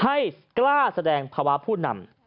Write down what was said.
ให้กล้าแสดงภาวะผู้นำ